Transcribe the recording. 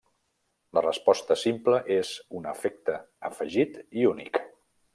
La resposta simple és un efecte afegit i únic.